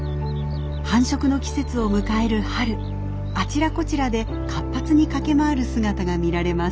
繁殖の季節を迎える春あちらこちらで活発に駆け回る姿が見られます。